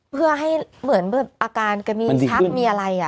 เพื่อให้เหมือนแบบอาการแกมีชักมีอะไร